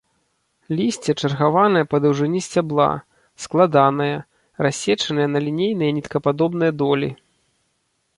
Лісце чаргаванае па даўжыні сцябла, складанае, рассечанае на лінейныя ніткападобныя долі.